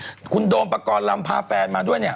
และคุณโดมประกอร์ตลำพาแฟนมาด้วย